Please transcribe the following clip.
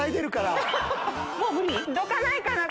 どかないかな？